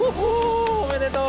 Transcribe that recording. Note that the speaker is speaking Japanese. おめでとう！